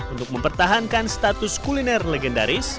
untuk mempertahankan status kuliner legendaris